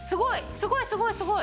すごいすごいすごい！